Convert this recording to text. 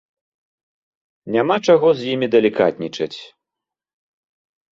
Няма чаго з імі далікатнічаць.